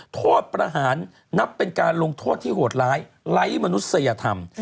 โทษประหารนับเป็นการลงโทษที่โหดร้ายไร้มนุษยธรรม